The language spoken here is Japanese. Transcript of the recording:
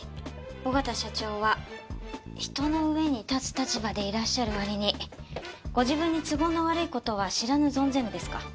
小形社長は人の上に立つ立場でいらっしゃる割にご自分に都合の悪い事は知らぬ存ぜぬですか。